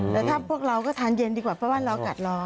แต่ถ้าพวกเราก็ทานเย็นดีกว่าเพราะว่าเรากัดรอ